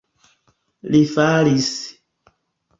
Li falis.